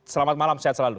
selamat malam sehat selalu